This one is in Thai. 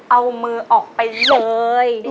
เอามือออกไปเลย